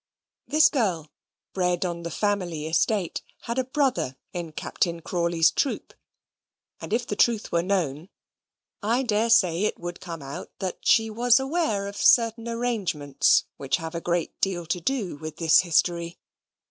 This girl, bred on the family estate, had a brother in Captain Crawley's troop, and if the truth were known, I daresay it would come out that she was aware of certain arrangements, which have a great deal to do with this history.